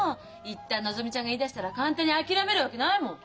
一旦のぞみちゃんが言いだしたら簡単に諦めるわけないもん。